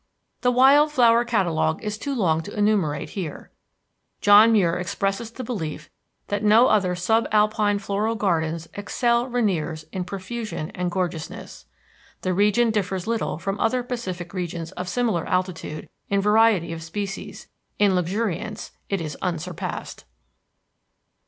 The wild flower catalogue is too long to enumerate here. John Muir expresses the belief that no other sub alpine floral gardens excel Rainier's in profusion and gorgeousness. The region differs little from other Pacific regions of similar altitude in variety of species; in luxuriance it is unsurpassed.